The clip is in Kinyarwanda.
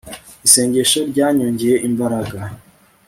isengesho ryanyongeye imbaraga